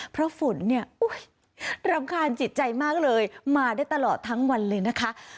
เพราะฝนเนี่ยรำคาญจิตใจมากเลยมาได้ตลอดทั้งวันเลยนะคะ